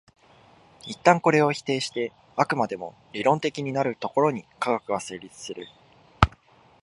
一旦これを否定して飽くまでも理論的になるところに科学は成立する。